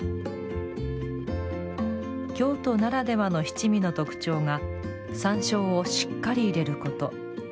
京都ならではの七味の特徴が山椒をしっかり入れること。